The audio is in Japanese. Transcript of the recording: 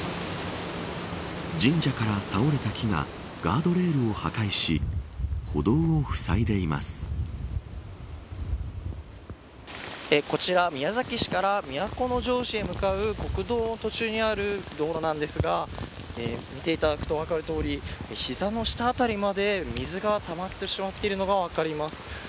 神社から倒れた木がガードレールを破壊しこちら、宮崎市から都城市へ向かう国道の途中にある道路なんですが見ていただくと分かるとおり膝の下辺りまで水がたまってしまっているのが分かります。